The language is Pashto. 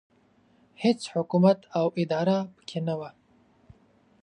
هېڅ حکومت او اداره پکې نه وه.